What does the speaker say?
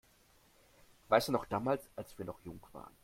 Weißt du noch damals, als wir noch jung waren?